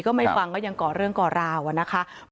ก็ไม่ฟังก็ยังก่อเรื่องก่อราวอะนะคะ